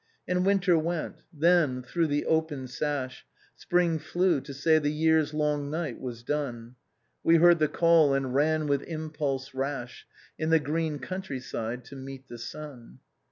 And winter went : then, through the open sash. Spring flew, to say the j^ear's long night was done; We heard the call, and ran with impulse rash In the green country side to meet the sun.